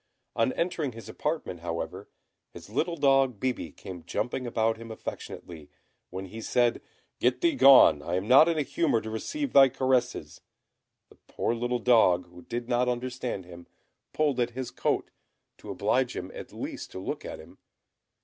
On entering his apartment, however, his little dog Bibi came jumping about him affectionately, when he said, "Get thee gone, I am not in a humour to receive thy caresses!" The poor little dog, who did not understand him, pulled at his coat, to oblige him at least to look at him.